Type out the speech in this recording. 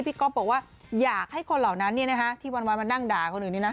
ก๊อฟบอกว่าอยากให้คนเหล่านั้นที่วันมานั่งด่าคนอื่นนี้นะ